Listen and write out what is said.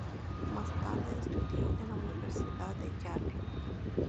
Más tarde estudió en la Universidad de Yale.